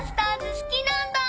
すきなんだ。